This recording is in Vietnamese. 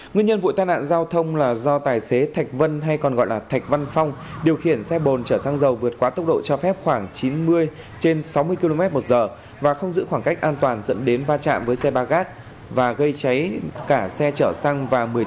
nguyên nhân vụ tai nạn giao thông là do tài xế thạch vân hay còn gọi là thạch văn phong điều khiển xe bồn chở xăng dầu vượt quá tốc độ cho phép khoảng chín mươi trên sáu mươi km một giờ và không giữ khoảng cách an toàn dẫn đến va chạm với xe ba gác và gây cháy cả xe chở xăng và một mươi xe